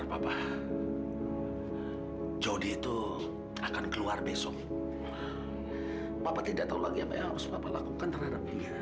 bapak tidak tahu lagi apa yang harus bapak lakukan terhadap nara